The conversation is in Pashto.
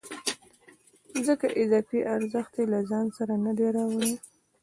ځکه اضافي ارزښت یې له ځان سره نه دی راوړی